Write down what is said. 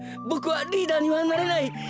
ボクはリーダーにはなれない。